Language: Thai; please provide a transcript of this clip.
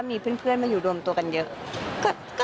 พิเศษทุกเม้ออยู่แล้วป่ะคะ